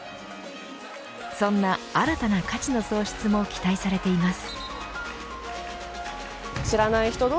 そんな新たな価値の創出も期待されています。